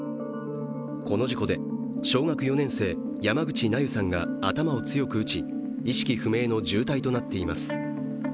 この事故で、小学４年生山口渚結さんが頭を強く打ち、意識不明の重体となっています。